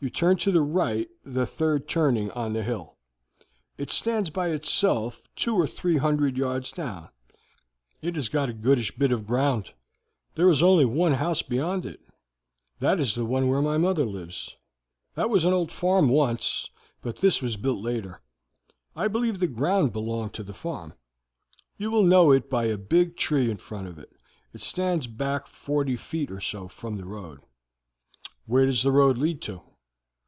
You turn to the right the third turning on the hill; it stands by itself two or three hundred yards down; it has got a goodish bit of ground. There is only one house beyond it; that is the one where my mother lives. That was an old farm once, but this was built later. I believe the ground belonged to the farm. You will know it by a big tree in front of it; it stands back forty feet or so from the road." "Where does the road lead to?"